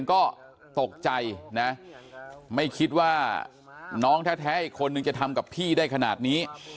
ก็ตกใจนะไม่คิดว่าน้องแท้อีกคนนึงจะทำกับพี่ได้ขนาดนี้